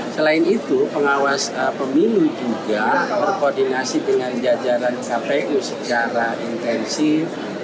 selain itu pengawas pemilu juga berkoordinasi dengan jajaran kpu secara intensif